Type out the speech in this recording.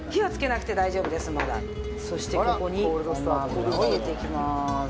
そしてここにごま油を入れていきます。